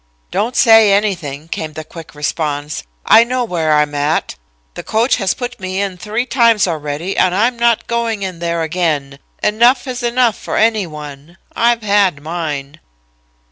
"'Don't say anything,' came the quick response, 'I know where I am at. The coach has put me in three times already and I'm not going in there again. Enough is enough for any one. _I've had mine.